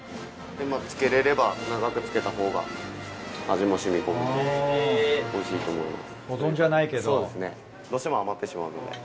漬けれれば長く漬けた方が味も染み込むんでおいしいと思います。